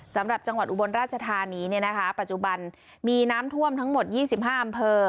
สำหรับจังหวัดอุบลราชธานี้เนี่ยนะคะปัจจุบันมีน้ำท่วมทั้งหมดยี่สิบห้าอำเภอ